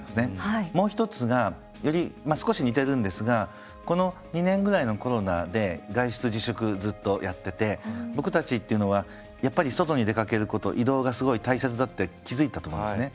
もう一つが少し似てるんですがこの２年ぐらいのコロナで外出自粛ずっとやってて僕たちっていうのはやっぱり外に出かけること移動がすごい大切だって気付いたと思うんですね。